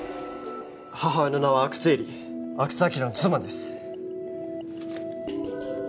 母親の名は阿久津絵里阿久津晃の妻です